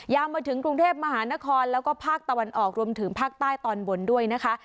มาถึงกรุงเทพมหานครแล้วก็ภาคตะวันออกรวมถึงภาคใต้ตอนบนด้วยนะคะ